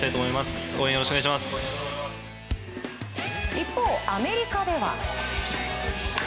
一方、アメリカでは。